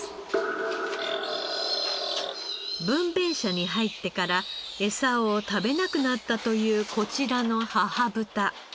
分娩舎に入ってからエサを食べなくなったというこちらの母豚。